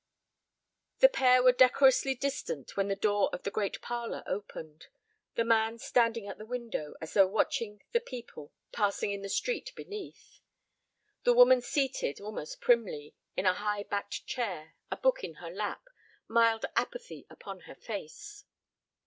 The pair were decorously distant when the door of the great parlor opened, the man standing at the window, as though watching the people passing in the street beneath; the woman seated, almost primly, in a high backed chair, a book in her lap, mild apathy upon her face.